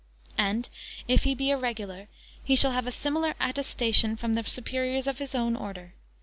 And, if he be a Regular, he shall have a similar attestation from the superiors of his own order.